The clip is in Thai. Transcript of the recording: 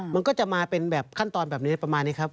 มันก็จะมาเป็นแบบขั้นตอนแบบนี้ประมาณนี้ครับ